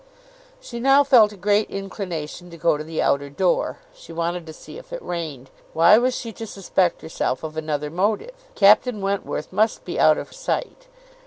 She now felt a great inclination to go to the outer door; she wanted to see if it rained. Why was she to suspect herself of another motive? Captain Wentworth must be out of sight.